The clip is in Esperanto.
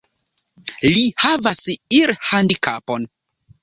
Li havas irhandikapon.